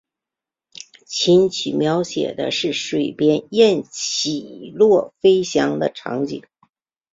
琴曲描写的是水边雁起落飞翔的场景。